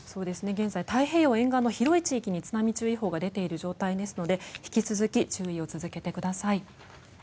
現在、太平洋沿岸の広い地域に津波注意報が出ている状況ですので引き続き注意を続けてください。